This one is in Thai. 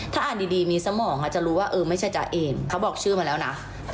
ถ้าอ่านดีมีสมองจะรู้ว่าเออไม่ใช่จ๊ะเอนเขาบอกชื่อมาแล้วนะ